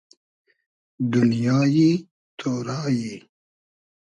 دونیای تۉرای